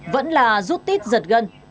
vẫn là rút tít giật gân